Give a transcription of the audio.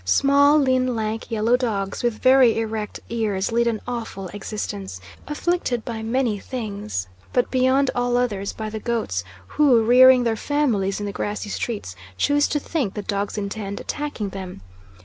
Small, lean, lank yellow dogs with very erect ears lead an awful existence, afflicted by many things, but beyond all others by the goats, who, rearing their families in the grassy streets, choose to think the dogs intend attacking them.